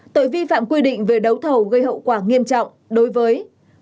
tội vi phạm quy định về đấu thầu gây hậu quả nghiêm trọng đối với